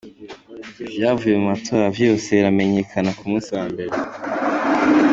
Ivyavuye mu matora vyose biramenyekana ku musi wa mbere.